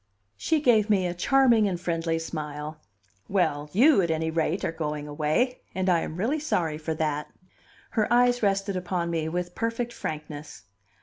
She gave me a charming and friendly smile. "Well, you, at any rate, are going away. And I am really sorry for that." Her eyes rested upon me with perfect frankness.